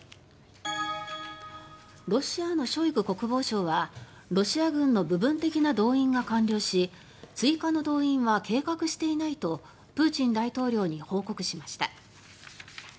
ロシアのショイグ国防相はロシア軍の部分的な動員が完了し追加の動員は計画していないとプーチン大統領に報告しました。